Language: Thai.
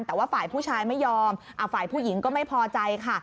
แต่ว่าฝ่ายผู้ชายไม่ยอมฝ่ายผู้หญิงก็ไม่พอใจค่ะ